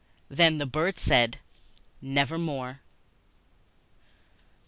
Then the bird said, "Nevermore."